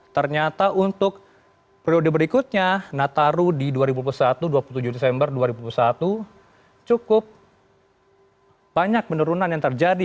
ternyata untuk periode berikutnya nataru di dua puluh satu desember dua ribu dua puluh satu cukup banyak penurunan yang terjadi